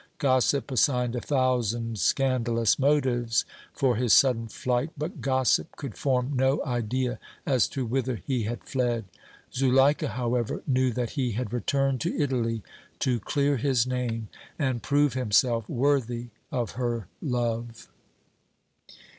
Gossip assigned a thousand scandalous motives for his sudden flight, but gossip could form no idea as to whither he had fled. Zuleika however, knew that he had returned to Italy to clear his name and prove himself worthy of her love!